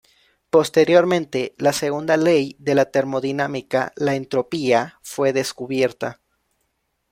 Posteriormente, la segunda ley de la termodinámica, la entropía, fue descubierta.